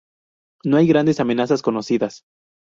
No hay grandes amenazas conocidas.